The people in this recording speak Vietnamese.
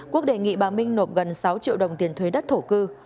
quốc đề nghị bà minh nộp gần sáu triệu đồng tiền thuế đất thổ cư